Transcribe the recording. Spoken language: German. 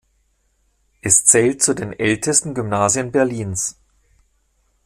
Es zählt zu den ältesten Gymnasien Berlins.